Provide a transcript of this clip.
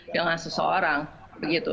dengan seseorang begitu